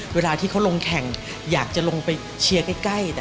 เวลาที่เขาลงแข่งอยากจะลงไปเชียร์ใกล้